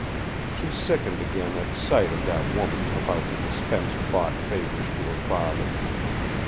She sickened again at sight of that woman about to dispense bought favours to her father.